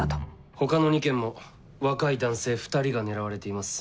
他の２件も若い男性２人が狙われています。